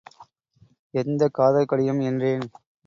எந்த காதல் கடிதம்? என்றேன்.